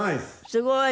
すごい！